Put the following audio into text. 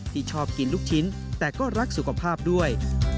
ชอบกินลูกชิ้นแต่ก็รักสุขภาพด้วย